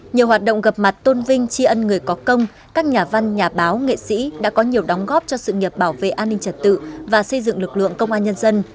nhiều hoạt động gặp mặt tôn vinh tri ân người có công các nhà văn nhà báo nghệ sĩ đã có nhiều đóng góp cho sự nghiệp bảo vệ an ninh trật tự và xây dựng lực lượng công an nhân dân